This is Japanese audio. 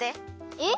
え？